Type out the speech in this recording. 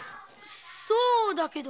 そうだけど。